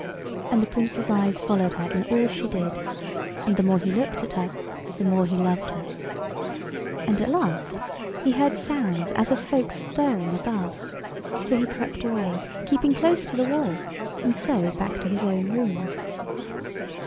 And the Prince's eyes followed her in all she did, and the more he looked at her the more he loved her. And at last he heard sounds as of folks stirring above, so he crept away, keeping close to the wall, and so back to his own rooms.